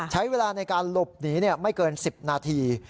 ใช้เวลาในการหลบหนีไม่เกิน๑๐นาที